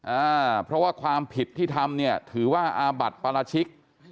อ่าเพราะว่าความผิดที่ทำเนี่ยถือว่าอาบัติปราชิก